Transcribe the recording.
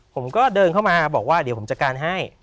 ผมก็เดินเข้ามาบอกว่าเดี๋ยวผมจัดการให้